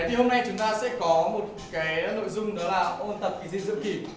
thì hôm nay chúng ta sẽ có một cái nội dung đó là một tập kỳ thi giữa kỳ